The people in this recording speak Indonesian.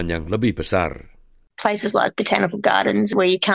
yang diperlukan atau tidak diperlukan